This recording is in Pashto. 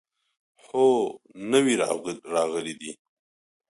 هو، نوي راغلي دي